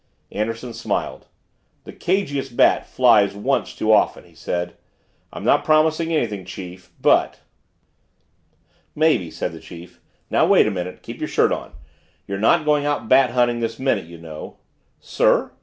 Anderson smiled. "The cagiest bat flies once too often," he said. "I'm not promising anything, chief, but " "Maybe," said the chief. "Now wait a minute, keep your shirt on, you're not going out bat hunting this minute, you know " "Sir?